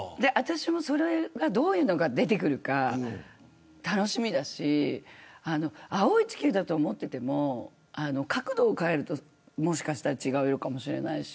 どういうものが出てくるのか楽しみだし青い地球だと思ってても角度を変えると、もしかしたら違う色かもしれないし。